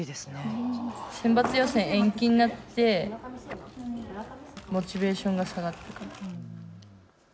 選抜予選、延期になってモチベーションが下がった。